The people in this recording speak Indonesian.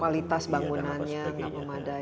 kualitas bangunannya naklumadai